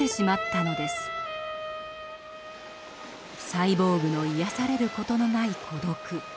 サイボーグの癒やされる事のない孤独。